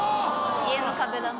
家の壁だね。